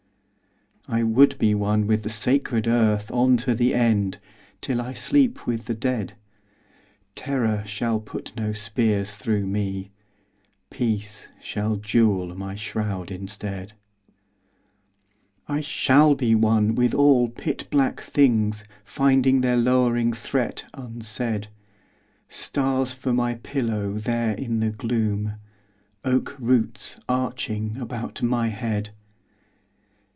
I would be one with the sacred earth On to the end, till I sleep with the dead. Terror shall put no spears through me. Peace shall jewel my shroud instead. I shall be one with all pit black things Finding their lowering threat unsaid: Stars for my pillow there in the gloom,— Oak roots arching about my head!